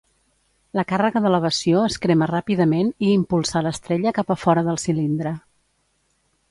La càrrega d'elevació es crema ràpidament i impulsa l'estrella cap a fora del cilindre.